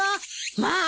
まあ！